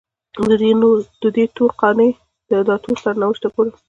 ددې تور قانع داتور سرنوشت ګوره